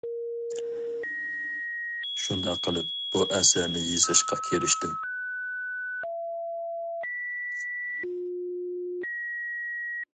شۇنداق قىلىپ، بۇ ئەسەرنى يېزىشقا كىرىشتىم.